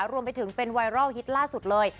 รวมไปถึงเป็นไวรัลฮิตล่าสุดเลย